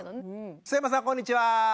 須山さんこんにちは。